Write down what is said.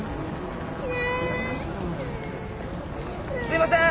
すいません！